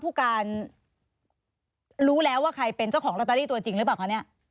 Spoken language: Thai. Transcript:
ผู้การรู้แล้วว่าใครเป็นเจ้าของลอตเตอรี่ตัวจริงหรือเปล่าคะเนี่ย